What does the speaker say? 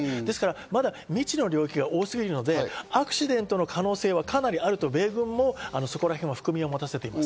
未知の領域が多すぎるので、アクシデントの可能性はかなりあると米軍も、そこらへんは含みを持たせています。